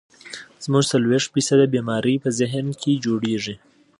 زمونږ څلوېښت فيصده بيمارۍ پۀ ذهن کښې جوړيږي